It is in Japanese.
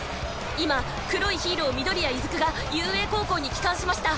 今黒いヒーロー緑谷出久が雄英高校に帰還しました。